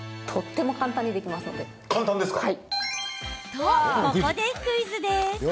と、ここでクイズです。